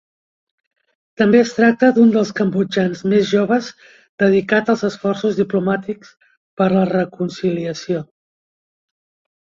També es tracta d'un dels cambodjans més joves dedicat als esforços diplomàtics per la reconciliació.